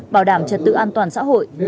bảo đảm trật tự an toàn xã hội